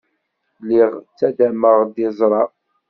Lliɣ ttaddameɣ-d iẓra.